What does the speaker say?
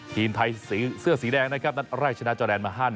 ทีมไทยเสื้อสีแดงนะครับนัดแรกชนะจอแดนมา๕๐